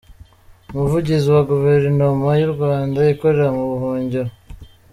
Umuvugizi wa Guverinoma y’u Rwanda ikorera mu buhungiro